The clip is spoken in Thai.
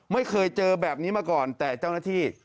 ไม่เคยเจอแบบนี้มาก่อนแต่เจ้าหน้าที่